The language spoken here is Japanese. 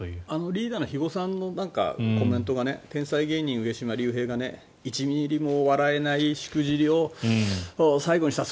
リーダーの肥後さんのコメントが天才芸人、上島竜兵が１ミリも笑えないしくじりを最後にした。